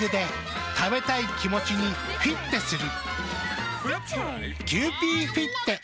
食べたい気持ちにフィッテする。